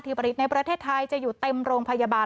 ผลิตในประเทศไทยจะอยู่เต็มโรงพยาบาล